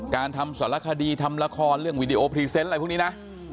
การทำสารคดีทำละครเรื่องวีดีโอพรีเซนต์อะไรพวกนี้นะ